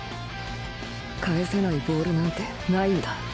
返せないボールなんてないんだ